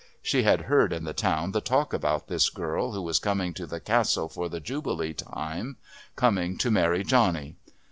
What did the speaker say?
She had heard in the town the talk about this girl who was coming to the Castle for the Jubilee time, coming to marry Johnny.